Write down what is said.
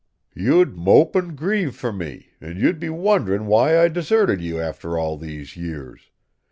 You'd mope and grieve for me, and you'd be wond'ring why I'd deserted you after all these years.